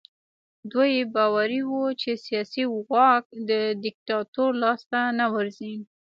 دوی باوري وو چې سیاسي واک د دیکتاتور لاس ته نه ورځي.